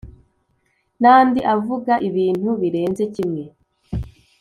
nandi avuga ibintu birenze kimwe